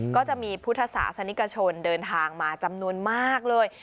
ก็จะมีพุทธศาสนิกชนเดินทางมาจำนวนมากเลย